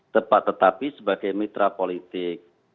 tepat tetapi sebagai mitra politik